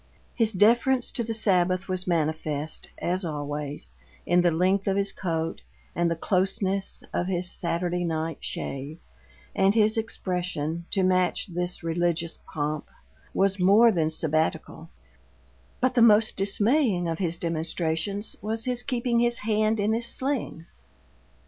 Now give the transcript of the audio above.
His deference to the Sabbath was manifest, as always, in the length of his coat and the closeness of his Saturday night shave; and his expression, to match this religious pomp, was more than Sabbatical, but the most dismaying of his demonstrations was his keeping his hand in his sling.